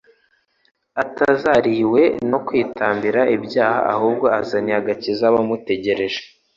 atazariywe no kwitambira ibyaha, ahubwo azaniye agakiza abamutegereje."